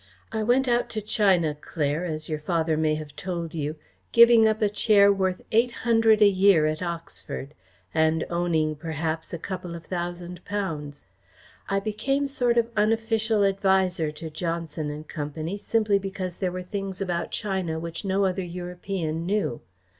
"I went out to China, Claire, as your father may have told you, giving up a Chair worth eight hundred a year at Oxford, and owning, perhaps, a couple of thousand pounds. I became sort of unofficial adviser to Johnson and Company simply because there were things about China which no other European knew.